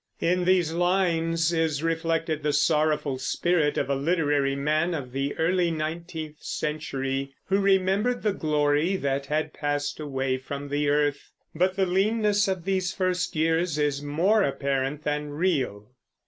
In these lines is reflected the sorrowful spirit of a literary man of the early nineteenth century who remembered the glory that had passed away from the earth. But the leanness of these first years is more apparent than real.